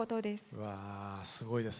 うわすごいですね。